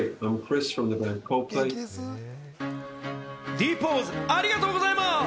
Ｄポーズ、ありがとうございます！